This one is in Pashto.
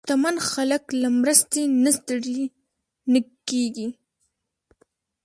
شتمن خلک له مرستې نه ستړي نه کېږي.